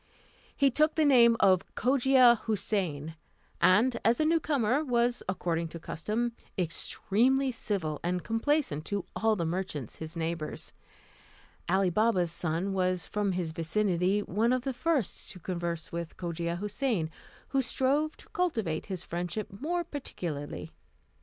He took the name of Cogia Houssain, and, as a new comer, was, according to custom, extremely civil and complaisant to all the merchants his neighbours. Ali Baba's son was, from his vicinity, one of the first to converse with Cogia Houssain, who strove to cultivate his friendship more particularly.